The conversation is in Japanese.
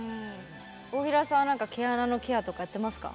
大平さんはなんか毛穴のケアとかやってますか？